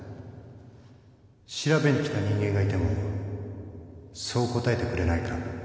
調べに来た人間がいてもそう答えてくれないか